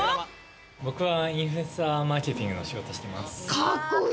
僕はインフルエンサーマーケティングの仕事をしています。